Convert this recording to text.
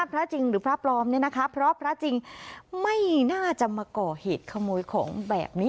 พระจริงหรือพระปลอมเนี่ยนะคะเพราะพระจริงไม่น่าจะมาก่อเหตุขโมยของแบบนี้